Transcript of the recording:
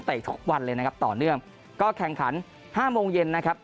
ทุกวันเลยนะครับต่อเนื่องก็แข่งขันห้าโมงเย็นนะครับ